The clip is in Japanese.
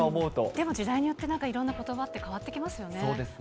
でも時代によっていろんなことばって変わってきますよね。